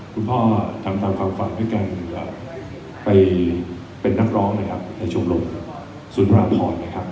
คุณพ่อทำตามความฝันด้วยกันไปเป็นนักร้องนะครับในชมรมศูนย์ราพรนะครับ